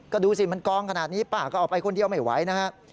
ก็ดูสิมันกองขนาดนี้ป้าก็ออกไปคนเดียวไม่ไหวนะครับ